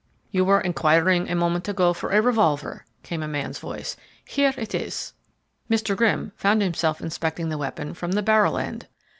"You were inquiring a moment ago for a revolver," came in a man's voice. "Here it is!" Mr. Grimm found himself inspecting the weapon from the barrel end.